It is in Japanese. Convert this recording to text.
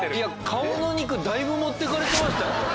顔の肉だいぶ持ってかれてました。